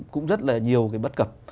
cũng rất là nhiều cái bất cập